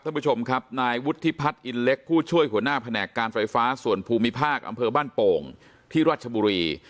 ท่านผู้ชมครับนายวุฒิพัฒน์อินเล็กผู้ช่วยหัวหน้าแผนกการไฟฟ้าส่วนภูมิภาคอำเภอบ้านโป่งที่รัชบุรี